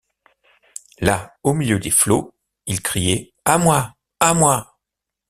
Là, au milieu des flots! il criait: À moi ! à moi !